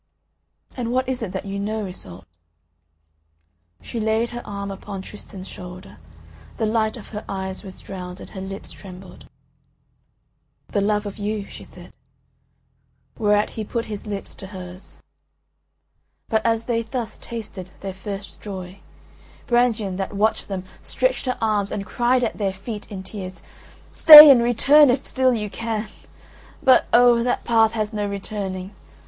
"And what is it that you know, Iseult?" She laid her arm upon Tristan's shoulder, the light of her eyes was drowned and her lips trembled. "The love of you," she said. Whereat he put his lips to hers. But as they thus tasted their first joy, Brangien, that watched them, stretched her arms and cried at their feet in tears: "Stay and return if still you can … But oh! that path has no returning.